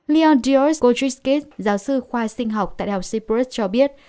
leon diorzko tritsky giáo sư khoa sinh học tại học cyprus cho biết